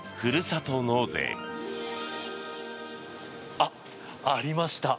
あ、ありました。